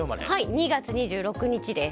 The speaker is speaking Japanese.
２月２６日です。